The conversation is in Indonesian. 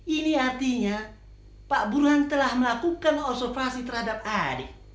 ini artinya pak burhan telah melakukan observasi terhadap adik